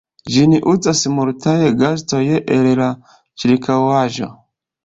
Ĝin uzas multaj gastoj el la ĉirkaŭaĵo.